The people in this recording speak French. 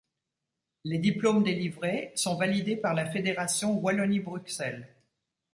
Les diplômes délivrés sont validés par la Fédération Wallonie Bruxelles.